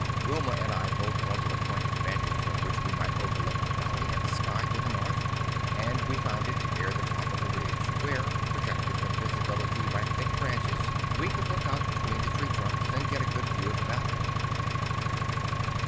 Wilma and I both wanted a point of vantage from which we might overlook the valley and the sky to the north, and we found it near the top of the ridge, where, protected from visibility by thick branches, we could look out between the tree trunks, and get a good view of the valley.